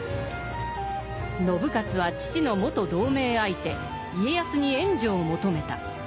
信雄は父の元同盟相手・家康に援助を求めた。